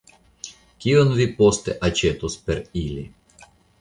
Kion vi poste aĉetos per ili?